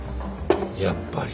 やっぱり。